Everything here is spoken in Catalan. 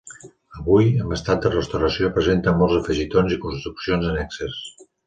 Avui, amb estat de restauració, presenta molts afegitons i construccions annexes.